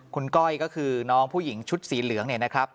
คุณก้อยก็คือน้องผู้หญิงชุดสีเหลืองเนี่ยนะครับ